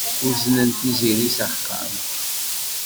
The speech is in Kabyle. Uznen Tiziri s axxam.